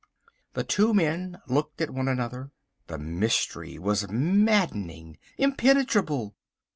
The two men looked at one another. The mystery was maddening, impenetrable.